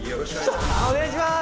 お願いしまーす！